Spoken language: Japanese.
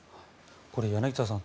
柳澤さん